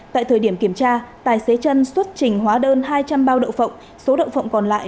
tại thời điểm kiểm tra tài xế chân xuất trình hóa đơn hai trăm linh bao đậu phộng số động phộng còn lại